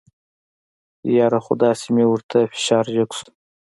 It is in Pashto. یاره خو داسې مې ورته فشار جګ شو.